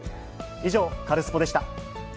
以上、カルスポっ！でした。